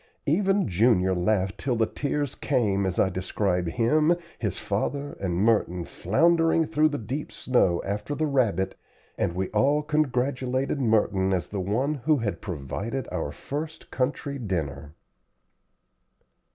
Even Junior laughed till the tears came as I described him, his father, and Merton, floundering through the deep snow after the rabbit, and we all congratulated Merton as the one who had provided our first country dinner.